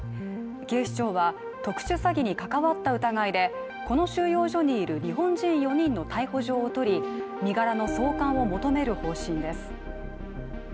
警視庁は特殊詐欺に関わった疑いでこの収容所にいる日本人４人の逮捕状を取り身柄の送還を求める方針です。